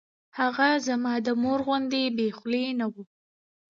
هغه زما د مور غوندې بې خولې نه وه.